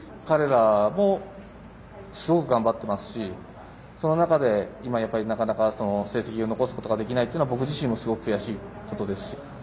彼らもすごく頑張っていますしその中で、今なかなか成績を残すことができないのは僕自身もすごく悔しいことです。